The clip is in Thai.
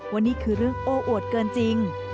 ว่านี่คือเรื่องโอ้อวดเกินจริง